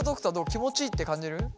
気持ちいいって感じる？